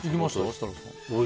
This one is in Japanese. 設楽さん。